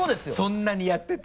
そんなにやってて？